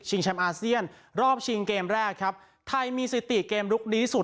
แชมป์อาเซียนรอบชิงเกมแรกครับไทยมีสิติเกมลุกดีสุด